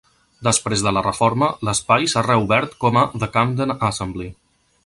Després de la reforma, l'espai s'ha reobert com a The Camden Assembly.